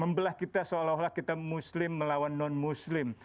membelah kita seolah olah kita muslim melawan non muslim